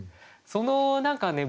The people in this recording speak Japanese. その何かね